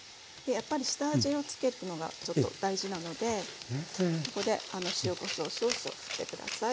やっぱり下味をつけるのがちょっと大事なのでここで塩・こしょう少々振って下さい。